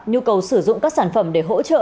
nhu cầu sử dụng các sản phẩm để hỗ trợ